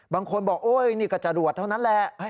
บางคนบอกโอ๊ยนี่ก็จะรวดเท่านั้นแหละ